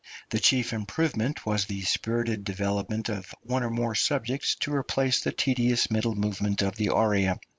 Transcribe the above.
The chief improvement was the spirited development of one or more subjects to replace the tedious middle movement of the aria.